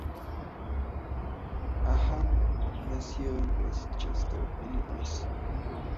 Hahn nació en Westchester, Illinois.